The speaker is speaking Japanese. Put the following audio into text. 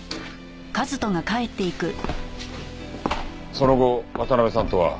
その後渡辺さんとは？